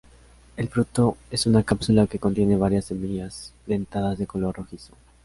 El fruto es una cápsula que contiene varias semillas dentadas de color rojizo.